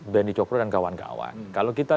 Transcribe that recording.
benny cokro dan kawan kawan kalau kita